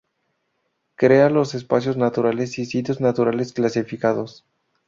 Crea los espacios naturales y sitios naturales clasificados.